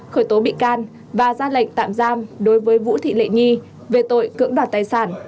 khởi tố bị can và ra lệnh tạm giam đối với vũ thị lệ nhi về tội cưỡng đoạt tài sản